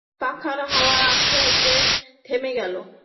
পাখার হাওয়া আস্তে আস্তে থেমে গেল।